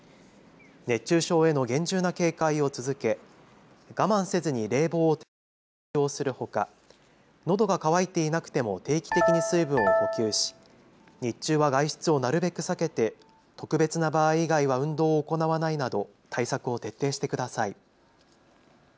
熱中症への厳重な警戒を続け我慢せずに冷房を適切に使用するほか、のどが渇いていなくても定期的に水分を補給し日中は外出をなるべく避けて特別な場合以外は運動を行わないなど対策を徹底してください。